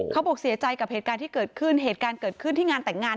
บอกเสียใจกับเหตุการณ์ที่เกิดขึ้นเหตุการณ์เกิดขึ้นที่งานแต่งงาน